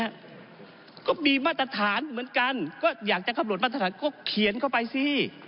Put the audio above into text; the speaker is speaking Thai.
เห็นไหมครับก็มีมาตรฐานเหมือนกันก็อยากจะคำลดมาตรฐานก็เขียนเข้าไปสิ